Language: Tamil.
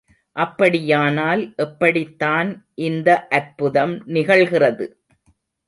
அப்படியானால் எப்படித்தான் இந்த அற்புதம் நிகழ்கிறது?